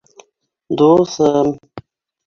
Дуҫым: